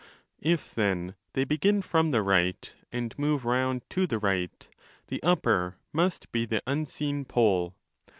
If then they begin from the right and move round to the right, the upper must be the unseen pole.